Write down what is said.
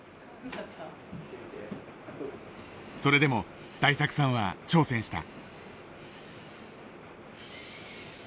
それでも大作さんは挑戦した。